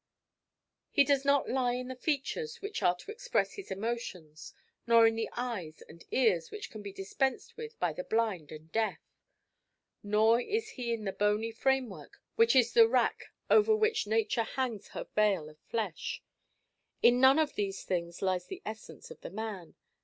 He does not lie in the features which are to express his emotions, nor in the eyes and ears which can be dispensed with by the blind and deaf. Nor is he in the bony framework which is the rack over which nature hangs her veil of flesh. In none of these things lies the essence of the man.